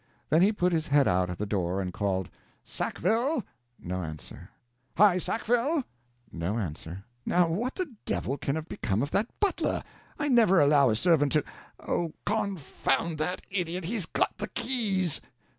Then he put his head out at the door and called: "Sackville!" No answer. "Hi Sackville!" No answer. "Now what the devil can have become of that butler? I never allow a servant to Oh, confound that idiot, he's got the keys.